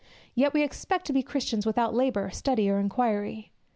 Yet we expect to be Christians without labour, study, or inquiry.